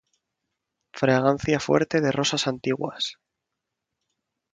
Fragancia fuerte de rosas antiguas.